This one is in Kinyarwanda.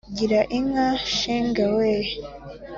gira inka shinga we